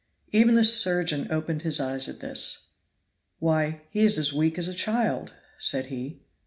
Even the surgeon opened his eyes at this. "Why, he is as weak as a child," said he.